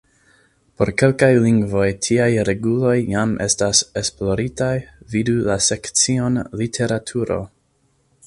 Por kelkaj lingvoj tiaj reguloj jam estas esploritaj, vidu la sekcion "literaturo".